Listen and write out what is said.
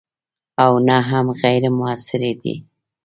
او نه هم غیر موثرې دي.